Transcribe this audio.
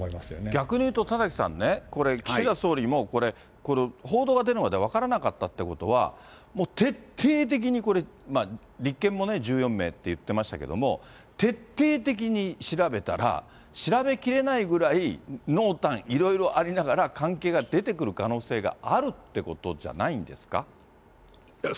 逆にいうと、田崎さんね、これ、岸田総理も報道が出るまで分からなかったってことは、徹底的にこれ、立憲も１４名というふうに言ってましたけれども、徹底的に調べたら、調べきれないぐらい濃淡いろいろありながら、関係が出てくる可能性があるってことじゃないんですか。